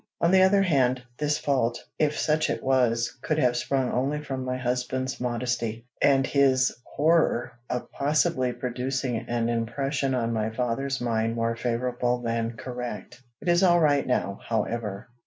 On the other hand, this fault, if such it was, could have sprung only from my husband's modesty, and his horror of possibly producing an impression on my father's mind more favorable than correct. It is all right now, however.